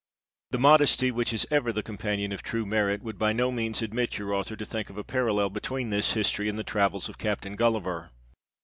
The modesty which is ever the companion of true merit, would by no means admit your author to think of a parallel between this history and the travels of Captain Gulliver.